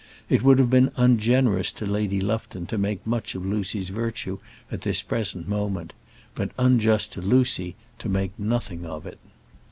It would have been ungenerous to Lady Lufton to make much of Lucy's virtue at this present moment, but unjust to Lucy to make nothing of it.